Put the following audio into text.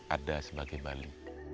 ada sebagai bali